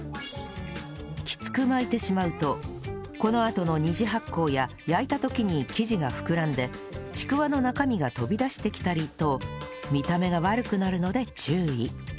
きつく巻いてしまうとこのあとの２次発酵や焼いた時に生地が膨らんでちくわの中身が飛び出してきたりと見た目が悪くなるので注意